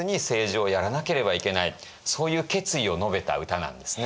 そういう決意を述べた歌なんですね。